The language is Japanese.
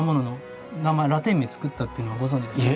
ラテン名作ったっていうのはご存じですか？